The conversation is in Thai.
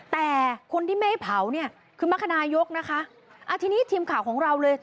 แต่คนที่ไม่ให้เผาเนี่ยคือมรรคนายกนะคะอ่าทีนี้ทีมข่าวของเราเลย